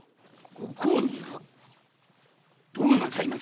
ご公儀が⁉どうなさいます